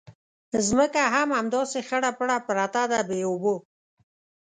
ځمکه هم همداسې خړه پړه پرته ده بې اوبو.